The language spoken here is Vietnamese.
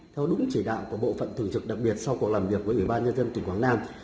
theo đúng chỉ đạo của bộ phận thường trực đặc biệt sau cuộc làm việc với ủy ban nhân dân tỉnh quảng nam